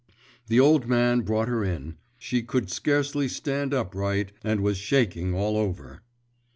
The old man brought her in; she could scarcely stand upright, and was shaking all over.